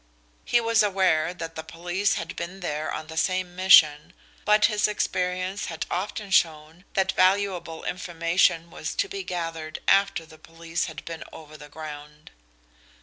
He was aware that the police had been there on the same mission, but his experience had often shown that valuable information was to be gathered after the police had been over the ground.